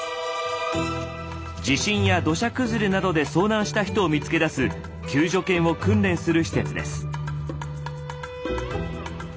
地震や土砂崩れなどで遭難した人を見つけ出す救助犬を訓練する施設です。